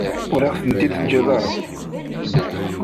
Ur aɣ-tent-id-teǧǧiḍ ara.